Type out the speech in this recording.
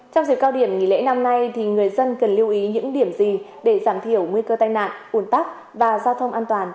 trong dịp cao điểm nghỉ lễ năm nay thì người dân cần lưu ý những điểm gì để giảm thiểu nguy cơ tai nạn ủn tắc và giao thông an toàn